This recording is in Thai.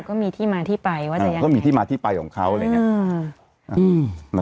ก็มีที่มาที่ไปว่าจะยังไงก็มีที่มาที่ไปของเขาอะไรอย่างนี้